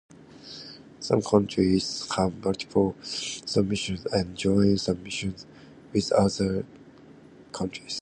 Some countries have multiple submissions and joint submissions with other countries.